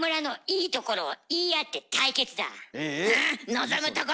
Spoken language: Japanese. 望むところ！